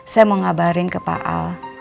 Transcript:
saya mau ngabarin ke pak al